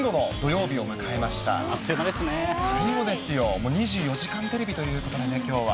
もう２４時間テレビということでね、きょうは。